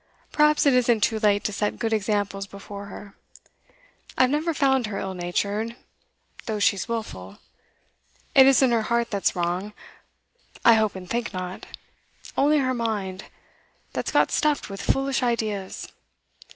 Perhaps it isn't too late to set good examples before her. I've never found her ill natured, though she's wilful; it isn't her heart that's wrong I hope and think not only her mind, that's got stuffed with foolish ideas.